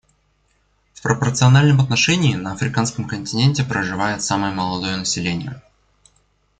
В пропорциональном отношении на Африканском континенте проживает самое молодое население.